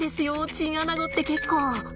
チンアナゴって結構。